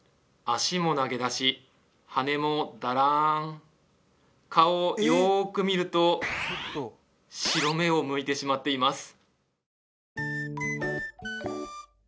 足も投げ出し羽もダラン顔をよく見ると白目をむいてしまっています